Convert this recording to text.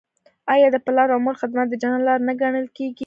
آیا د پلار او مور خدمت د جنت لاره نه ګڼل کیږي؟